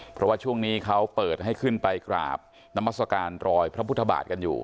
เพราะว่าช่วงนี้เขาเปิดให้ขึ้นไปกราบนามัศกาลรอยพระพุทธบาทกันอยู่